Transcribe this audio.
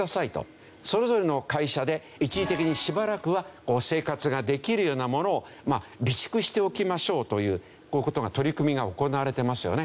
それぞれの会社で一時的にしばらくは生活ができるようなものを備蓄しておきましょうというこういう事が取り組みが行われてますよね。